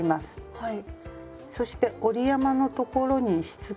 はい。